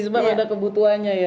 sebab ada kebutuhannya ya